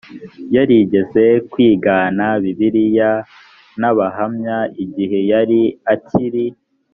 yarigeze kwigana bibiliya n abahamya igihe yari akiri